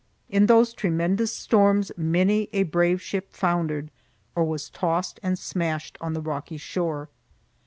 In those tremendous storms many a brave ship foundered or was tossed and smashed on the rocky shore.